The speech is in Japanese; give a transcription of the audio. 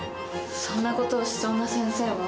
そんな事をしそうな先生は。